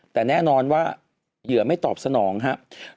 แต่แน่นอนว่าเหยื่อไม่ตอบสนองครับ